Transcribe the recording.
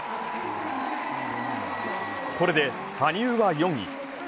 これで羽生は４位。